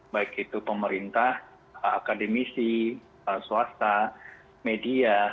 baik itu pemerintah akademisi swasta media